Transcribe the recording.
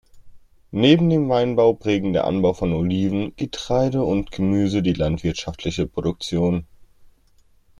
Neben dem Weinbau prägen der Anbau von Oliven, Getreide und Gemüse die landwirtschaftliche Produktion.